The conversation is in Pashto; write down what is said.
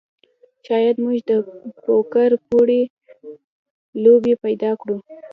شاید موږ د پوکر وړې لوبې پیدا کړو